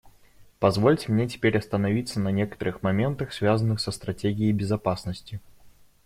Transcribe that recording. Позвольте мне теперь остановиться на некоторых моментах, связанных со стратегией безопасности.